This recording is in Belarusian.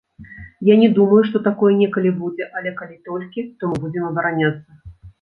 Я не думаю, што такое некалі будзе, але калі толькі, то мы будзем абараняцца.